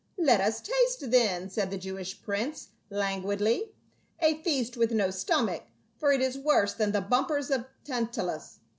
" Let us taste then," said the Jewish prince lan guidly. "A feast with no stomach for it is worse than the bumpers of Tantalus.